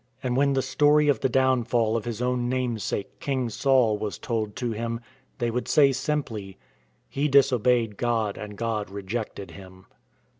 And when the story of the downfall of his own namesake King Saul was told to him they would say simply, " He disobeyed God and God re jected him."